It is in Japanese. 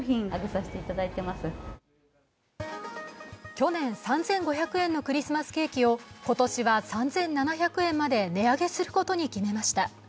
去年３５００円のクリスマスケーキを今年は３７００円まで値上げすることに決めました。